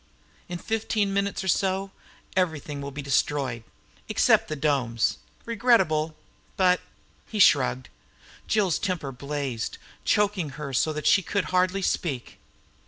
"In fifteen minutes or so, everything will be destroyed, except the domes. Regrettable, but...." He shrugged. Jill's temper blazed, choking her so that she could hardly speak.